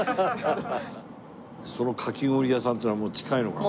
そのかき氷屋さんっていうのはもう近いのかな？